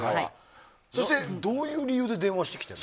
そして、どういう理由で電話してきてるの？